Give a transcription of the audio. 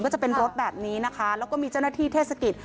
ก็จะเป็นรถแบบนี้นะคะแล้วก็มีเจ้าหน้าที่เทศกิจ